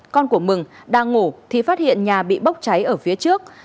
con của mừng đang ngủ thì phát hiện nhà bị bốc cháy ở phía trước